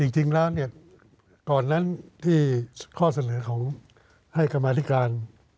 จริงแล้วเนี่ยก่อนนั้นที่ข้อเสนอของให้กรรมาธิการ